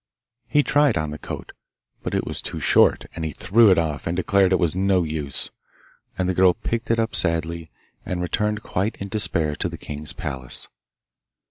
He tried on the coat, but it was too short, and he threw it off, and declared it was no use. And the girl picked it up sadly, and returned quite in despair to the king's palace.